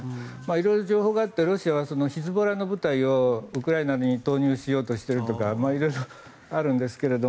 いろいろ情報があってロシアはヒズボラの部隊をウクライナに投入しようとしているとかいろいろあるんですけど。